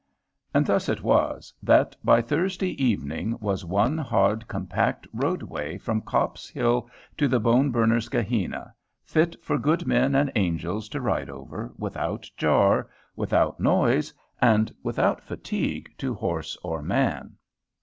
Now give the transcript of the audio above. And thus it was, that by Thursday evening was one hard compact roadway from Copp's Hill to the Bone burner's Gehenna, fit for good men and angels to ride over, without jar, without noise and without fatigue to horse or man.